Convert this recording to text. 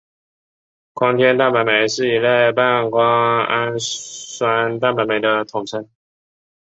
胱天蛋白酶是一类半胱氨酸蛋白酶的统称。